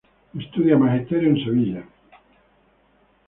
Estudia magisterio en Sevilla.